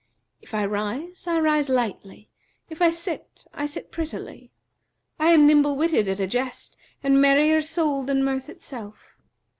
If I rise, I rise lightly; if I sit, I sit prettily; I am nimble witted at a jest and merrier souled than mirth itself.